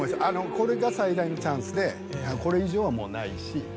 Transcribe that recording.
これが最大のチャンスでこれ以上はもうないし。